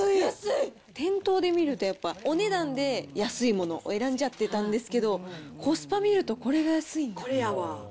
店頭で見ると、やっぱお値段で安いものを選んじゃってたんですけど、コスパ見るこれやわ。